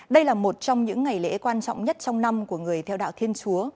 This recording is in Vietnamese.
đây là một trong những ngày lễ phục sinh